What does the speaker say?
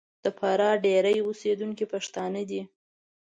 د فراه ډېری اوسېدونکي پښتانه دي.